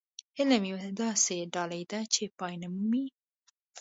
علم يوه داسې ډالۍ ده چې پای نه مومي.